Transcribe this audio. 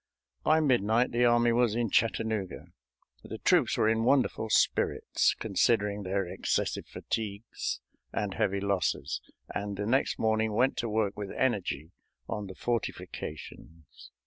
By midnight the army was in Chattanooga. The troops were in wonderful spirits, considering their excessive fatigues and heavy losses, and the next morning went to work with energy on the fortifications.